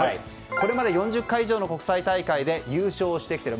これまで４０回以上の国際大会で優勝してきている